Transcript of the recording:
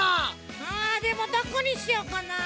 あでもどこにしようかなあ。